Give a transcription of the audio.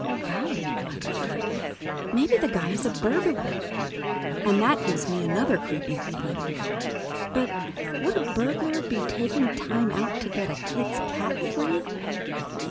Golly, I wonder, maybe the guy is a burglar, and that gives me another creepy feeling. But would a burglar be taking time out to get a kid's cat free?